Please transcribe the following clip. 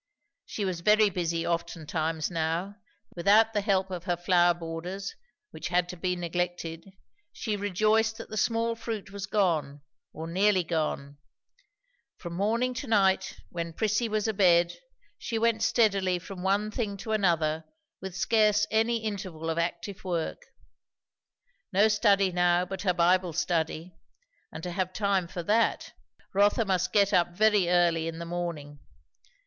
She was very busy oftentimes now, without the help of her flower borders, which had to be neglected; she rejoiced that the small fruit was gone, or nearly gone; from morning to night, when Prissy was abed, she went steadily from one thing to another with scarce any interval of active work. No study now but her Bible study; and to have time for that, Rotha must get up very early in the morning.